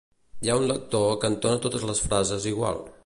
Hi ha un lector que entona totes les frases igual